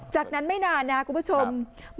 อ๋อจากนั้นไม่นานน่ะคุณผู้ชมครับ